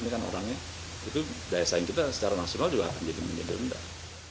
dengan orangnya itu daya saing kita secara nasional juga menjadi rendah